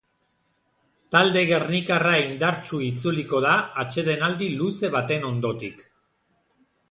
Talde gernikarra indartsu itzuliko da, atsedenaldi luze baten ondotik.